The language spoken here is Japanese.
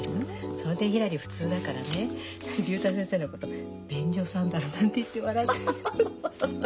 その点ひらり普通だからね竜太先生のこと便所サンダルなんて言って笑って。